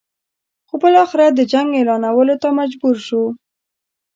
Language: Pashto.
خو بالاخره د جنګ اعلانولو ته مجبور شو.